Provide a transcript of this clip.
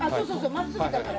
真っすぐだから。